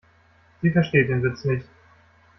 Sie versteht den Witz nicht.